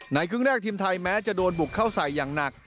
ครึ่งแรกทีมไทยแม้จะโดนบุกเข้าใส่อย่างหนัก